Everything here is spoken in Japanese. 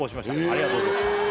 ありがとうございます